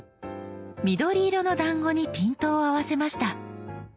緑色のだんごにピントを合わせました。